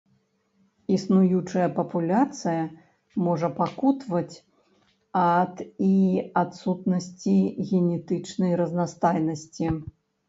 Існуючая папуляцыя можа пакутаваць ад і адсутнасці генетычнай разнастайнасці.